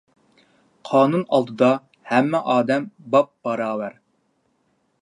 قانۇن ئالدىدا ھەممە ئادەم باپباراۋەر.